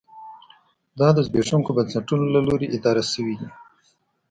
دا د زبېښونکو بنسټونو له لوري اداره شوې دي.